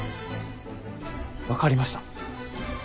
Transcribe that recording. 分かりました。